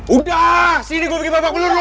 udah sini gue pergi bapak beli dulu